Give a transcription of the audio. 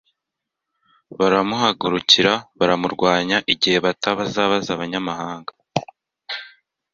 baramuhagurukira baramurwanya igihe batabaza abanyamahanga